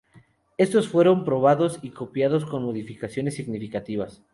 Estos fueron probados y copiados con modificaciones significativas.